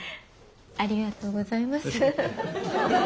ありがとうございます。